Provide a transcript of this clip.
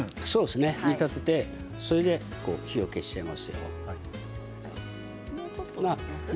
煮立てて火を消しちゃいますよ。